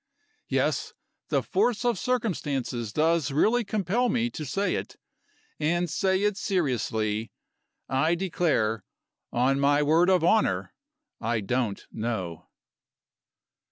Yes! the force of circumstances does really compel me to say it, and say it seriously I declare, on my word of honor, I don't know.